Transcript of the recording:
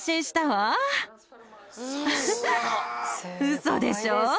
嘘でしょ？